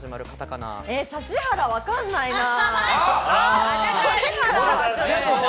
指原、分からないなぁ。